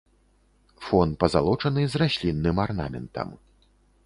Фон пазалочаны з раслінным арнаментам.